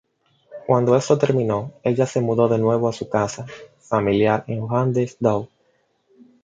Cuando esto terminó, ella se mudó de nuevo a su casa familiar en Hwanghae-do.